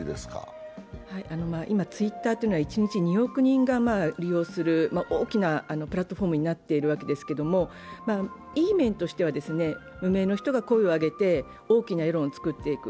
今、Ｔｗｉｔｔｅｒというのは一日２万人が利用する大きなプラットフォームになっているわけですけれども、いい面としては、無名の人が声を上げて大きな世論を作っていく。